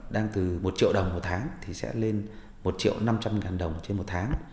đang từ một triệu đồng một tháng thì sẽ lên một triệu năm trăm linh ngàn đồng trên một tháng